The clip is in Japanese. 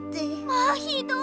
まあひどい！